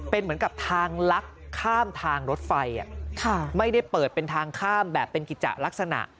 เป็นเหมือนกับทางลักข้ามทางรถไฟไม่ได้เปิดเป็นทางข้ามแบบเป็นกิจจะลักษณะ